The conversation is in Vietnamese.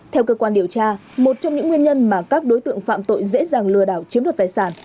theo cơ quan điều tra một trong những nguyên nhân mà các đối tượng phạm tội dễ dàng lừa đảo chiếm đoạt tài sản